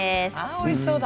おいしそうだ。